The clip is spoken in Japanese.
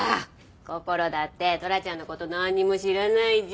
こころだってトラちゃんの事なんにも知らないじゃん！